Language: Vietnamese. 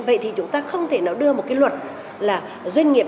vậy thì chúng ta không thể nào đưa một cái luật là doanh nghiệp